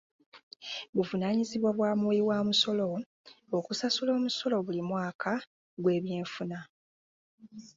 Buvunaanyizibwa bwa muwiwamusolo okusasula omusolo buli mwaka gw'ebyenfuna.